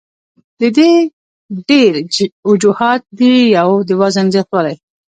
د دې ډېر وجوهات دي يو د وزن زياتوالے ،